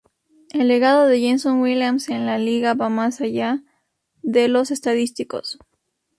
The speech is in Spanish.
El legado de Jason Williams en la liga va más allá de lo estadístico.